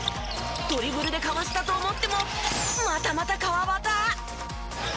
ドリブルでかわしたと思ってもまたまた川端。